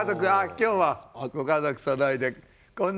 今日はご家族そろいで。